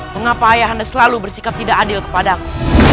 mengapa ayah anda selalu bersikap tidak adil kepada aku